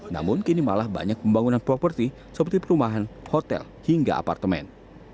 namun kini malah banyak pembangunan properti seperti perumahan hotel hingga apartemen